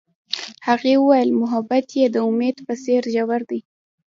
هغې وویل محبت یې د امید په څېر ژور دی.